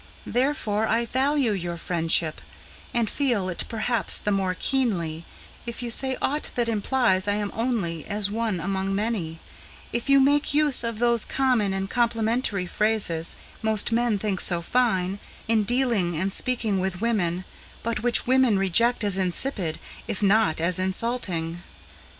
Therefore I value your friendship, and feel it perhaps the more keenly If you say aught that implies I am only as one among many, If you make use of those common and complimentary phrases Most men think so fine, in dealing and speaking with women, But which women reject as insipid, if not as insulting."